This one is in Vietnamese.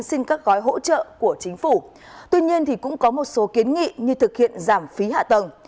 xin các gói hỗ trợ của chính phủ tuy nhiên cũng có một số kiến nghị như thực hiện giảm phí hạ tầng